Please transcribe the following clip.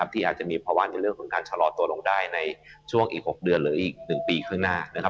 ที่อาจจะมีภาวะในเรื่องของการชะลอตัวลงได้ในช่วงอีก๖เดือนหรืออีก๑ปีข้างหน้านะครับ